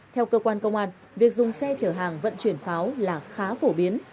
theo cơ quan công an việc dùng xe chở hàng vận chuyển pháo là khá phổ biến